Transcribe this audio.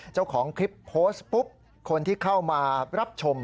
เจ้าของคลิปโพสต์ปุ๊บคนที่เข้ามารับชม